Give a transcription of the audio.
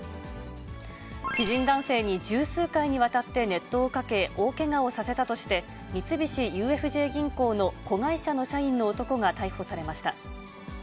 知人男性に十数回にわたって熱湯をかけ、大けがをさせたとして、三菱ＵＦＪ銀行の子会社の社員の男が逮捕されました。